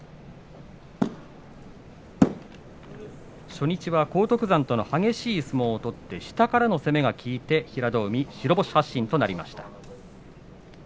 初日は荒篤山との激しい相撲を取って下からの攻めで平戸海、白星発進でした。